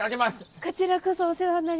こちらこそお世話になります。